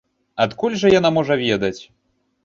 Адкуль жа яна можа ведаць?